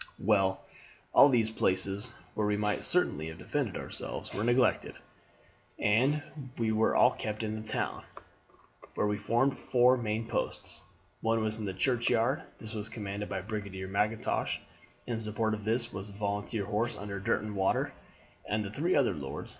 "Well, all these places, where we might certainly have defended ourselves, were neglected, and we were all kept in the town, where we formed four main posts. One was in the churchyard, and this was commanded by Brigadier Mackintosh. In support of this was the volunteer horse under Derwentwater and the three other lords.